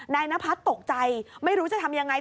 นพัฒน์ตกใจไม่รู้จะทำยังไง